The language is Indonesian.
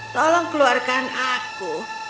tolong keluarkan aku